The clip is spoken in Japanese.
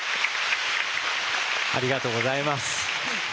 ありがとうございます。